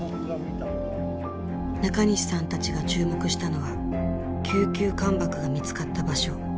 中西さんたちが注目したのは九九艦爆が見つかった場所。